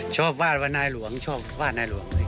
วาดว่านายหลวงชอบวาดนายหลวง